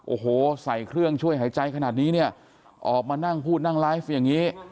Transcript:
โอ้โหใส่เครื่องช่วยหายใจขนาดนี้เนี่ยออกมานั่งพูดนั่งไลฟ์อย่างนี้